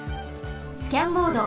スキャンモード。